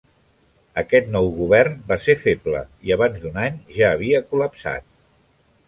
Aquest nou govern va ser feble, i abans d'un any ja havia col·lapsat.